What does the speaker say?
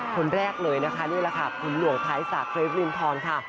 คนแรกเลยนะคะนี่ล่ะค่ะคุณหลวงไทซ่าเกรฟลินทรค่ะ